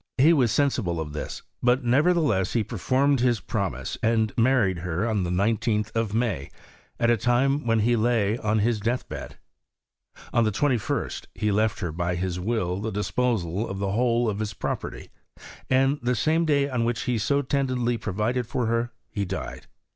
He was sensi ble of this ; but nevertheless he performed his pro mise, and married her on the 19th of May, at a time when he lay on his deathbed. On the Slst, he left her by his will the disposal of the whole of his pro perly; and, the same day on which he so tenderly provided for her, he died.